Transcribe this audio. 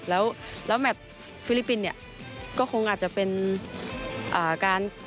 แล้วแมทฟิลิปปินส์เนี่ยก็คงอาจจะเป็นการ